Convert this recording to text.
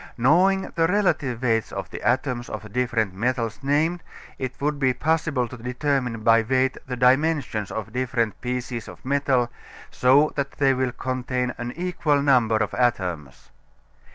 Knowing the relative weights of the atoms of the different metals named, it would be possible to determine by weight the dimensions of different pieces of metal so that they will contain an equal number of atoms.